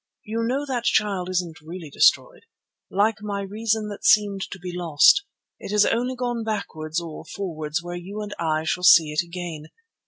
You know that Child isn't really destroyed. Like my reason that seemed to be lost, it has only gone backwards or forwards where you and I shall see it again.